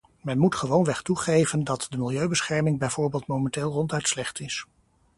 Men moet gewoonweg toegeven dat de milieubescherming bijvoorbeeld momenteel ronduit slecht is.